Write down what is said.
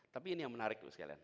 tapi ini yang menarik tuh sekalian